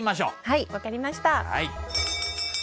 はい分かりました。